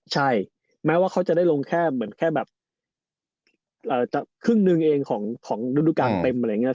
ใช่แม้ว่าเขาจะได้ลงแค่แบบครึ่งหนึ่งเองของรุดการเต็มอะไรอย่างนี้